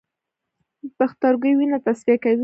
پښتورګي وینه تصفیه کوي